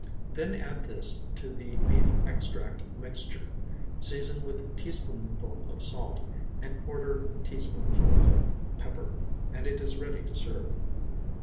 Then add this to the beef extract mixture, season with teaspoonful of salt and quarter teaspoonful of pepper, and it is ready to serve.